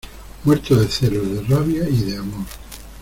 muerto de celos, de rabia y de amor.